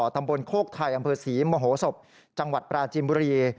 ตำบลโคกไทยอำเภอศรีมโหศพจังหวัดปราจิมบุรี